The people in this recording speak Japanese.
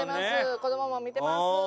子供も見てます。